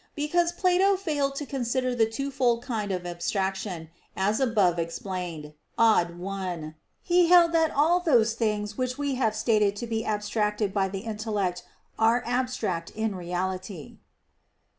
Because Plato failed to consider the twofold kind of abstraction, as above explained (ad 1), he held that all those things which we have stated to be abstracted by the intellect, are abstract in reality.